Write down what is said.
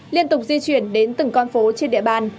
liên tục di chuyển đến từng con phố trên địa bàn